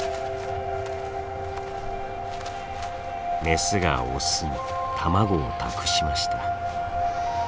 メスがオスに卵を託しました。